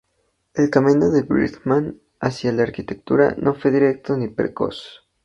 El camino de Bridgman hacia la arquitectura no fue directo ni precoz.